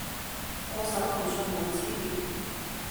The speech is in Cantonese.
我手頭上冇資料